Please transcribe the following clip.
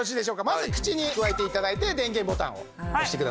まず口にくわえて頂いて電源ボタンを押してください。